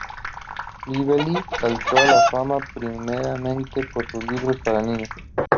Lively saltó a la fama primeramente por sus libros para niños.